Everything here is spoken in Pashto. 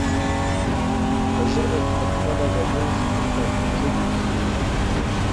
په ژبه کې پخپله د جنس تفکيک